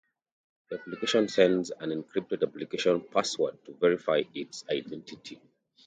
The application sends an encrypted application passcode to verify its identity.